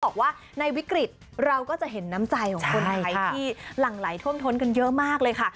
บอกว่าในวิกฤตเราก็จะเห็นน้ำใจของคนไทยที่หลั่งไหลท่วมท้นกันเยอะมากเลยค่ะ